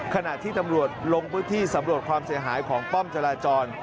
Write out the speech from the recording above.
ขณะที่ตำรวจลงพื้นที่สำรวจความเสียหายของป้อมจราจร